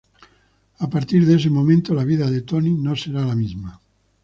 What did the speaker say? A partir de ese momento, la vida de "Tony" no será la misma.